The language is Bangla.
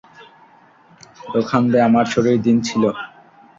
লোখান্দে, আমার ছুটির দিন ছিল।